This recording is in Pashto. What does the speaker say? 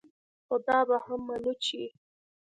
خو دا به هم منو چې